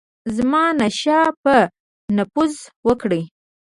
زمانشاه به نفوذ وکړي.